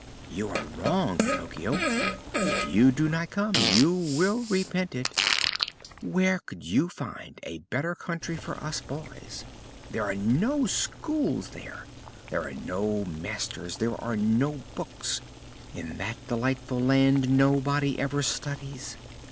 "You are wrong, Pinocchio. If you do not come you will repent it. Where could you find a better country for us boys? There are no schools there; there are no masters; there are no books. In that delightful land nobody ever studies.